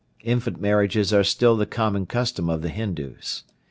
Infant marriages are still the common custom of the Hindoos.